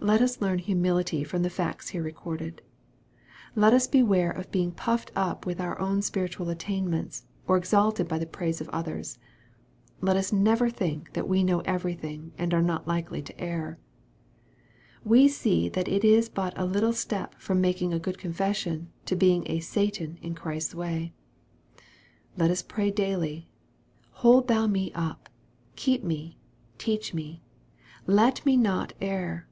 Let us learn humility from the facts here recorded. Let us beware of being puffed up with our own spiritual attainments, or exalted by the praise of others. Let us never think that we know everything and are not likely to err. We see that it is but a little step x from making a good confession to being a " Satan" in Christ's way. Let us pray daily, " Hold thou me up keep me teach me let me not err."